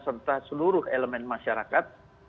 serta seluruh elemen masyarakat